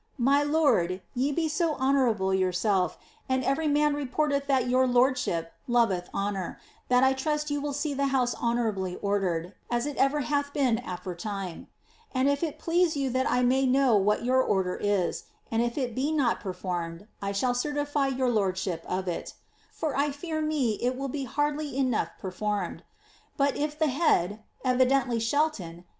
Mr lord, ye be so honourable yourself, and every man reporteth that your lord ship lovcth honour, that I trust you will see the house honourably ordered, as it ever hath been aforetime. And if it please you that I may know what your oMer i». and if it be not performed, I shall certify your lordship of it. For I fear me it will be hardly enough performed. But if the head (evidently Shel 'jc^t.)